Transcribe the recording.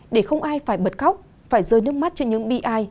để không ai phải bật khóc phải rơi nước mắt trên những bi ai